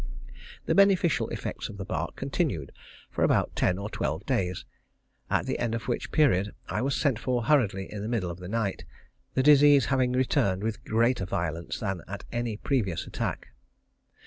The beneficial effects of the bark continued for about ten or twelve days, at the end of which period I was sent for hurriedly in the middle of the night, the disease having returned with greater violence than at any previous attack.